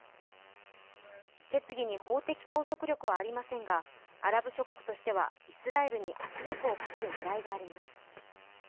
決議に法的拘束力はありませんがアラブ諸国としてはイスラエルに圧力をかける狙いがあります。